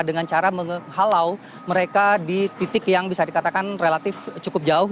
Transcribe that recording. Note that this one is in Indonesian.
dengan cara menghalau mereka di titik yang bisa dikatakan relatif cukup jauh